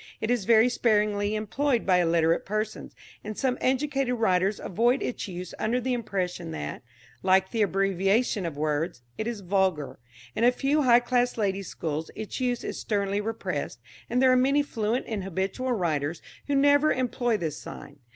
It is very sparingly employed by illiterate persons, and some educated writers avoid its use under the impression that, like the abbreviation of words, it is vulgar. In a few high class ladies' schools its use is sternly repressed, and there are many fluent and habitual writers who never employ this sign.